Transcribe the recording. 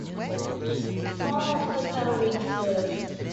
Small left us at a week's notice.